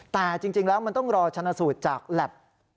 แต่จริงแล้วมันต้องรอชันสูจน์จากแหลป